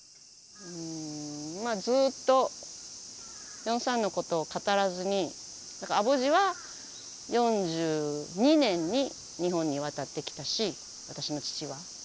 ずっと４・３のことを語らずにアボジは４２年に日本に渡ってきたし私の父は。